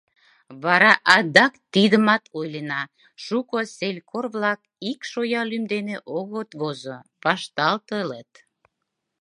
Вара адак тидымат ойлена: шуко селькор-влак ик шоя лӱм дене огыт возо, вашталтылыт.